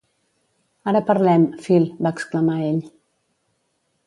Ara parlem , Phil, va exclamar ell.